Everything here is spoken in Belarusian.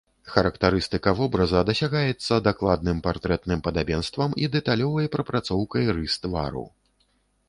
Характарыстыка вобраза дасягаецца дакладным партрэтным падабенствам і дэталёвай прапрацоўкай рыс твару.